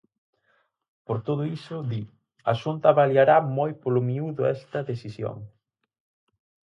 Por todo isto, di, a Xunta "avaliará moi polo miúdo esta decisión".